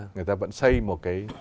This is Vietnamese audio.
người ta vẫn xây một cái